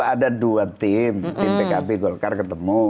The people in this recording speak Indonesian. ada dua tim tim pkb golkar ketemu